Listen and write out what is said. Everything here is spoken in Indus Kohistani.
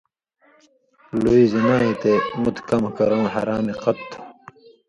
لُوئ ، زِنا یی تے مُت کمہۡ کرؤں حرامے قط تُھو۔